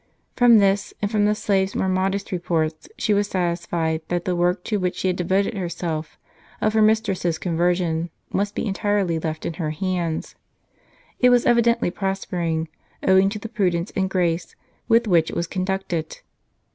From this, and from the slave's more modest reports, she was satisfied that the work to which she * Thomass. p. 792. dij had devoted herself, of her mistress's conversion, must be entirely left in her hands. It was evidently prospering, owing to the prudence and grace wdth which it was conducted.